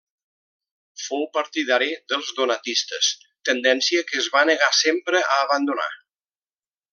Fou partidari dels donatistes, tendència que es va negar sempre a abandonar.